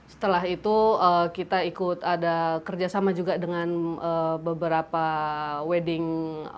setelah itu kita ikut ada kerjasama juga dengan beberapa wedding